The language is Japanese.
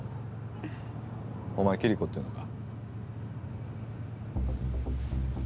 お前キリコっていうのか？